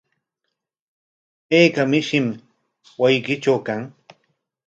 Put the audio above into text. ¿Ayka mishim wasiykitraw kan?